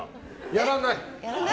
やらない！